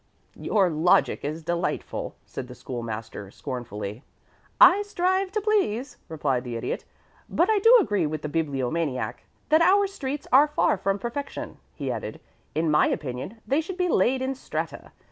"Your logic is delightful," said the School master, scornfully. "I strive to please," replied the Idiot. "But I do agree with the Bibliomaniac that our streets are far from perfection," he added. "In my opinion they should be laid in strata.